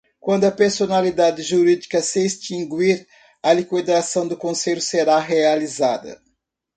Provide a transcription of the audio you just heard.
Quando a personalidade jurídica se extinguir, a liquidação do Conselho será realizada.